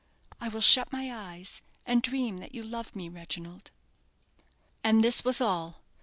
I will shut my eyes, and dream that you love me, Reginald." And this was all.